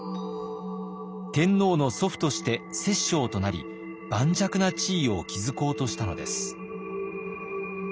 天皇の祖父として摂政となり盤石な地位を築こうとしたのです。